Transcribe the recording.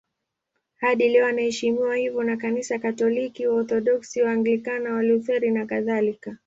Hadi leo anaheshimiwa hivyo na Kanisa Katoliki, Waorthodoksi, Waanglikana, Walutheri nakadhalika.